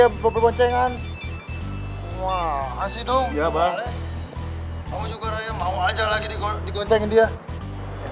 ya di congkong mas pantalla empirical